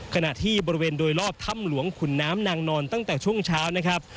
ขณะที่บริเวณโดยรอบถ้ำหลวงขุนน้ำนางนอนตั้งแต่ช่วงเช้านะครับ